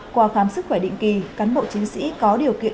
qua khám sức khỏe định kỳ cán bộ chiến sĩ có điều kiện